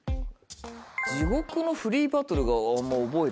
「地獄のフリーバトル」があんま覚えてない。